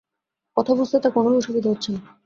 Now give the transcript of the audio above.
কথা বুঝতে তাঁর কোনোই অসুবিধা হচ্ছে না।